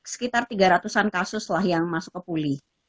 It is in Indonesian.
sekitar tiga ratus an kasus lah yang masuk ke pulih